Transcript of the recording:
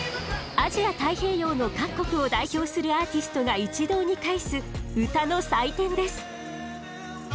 アジア太平洋の各国を代表するアーティストが一堂に会す歌の祭典です。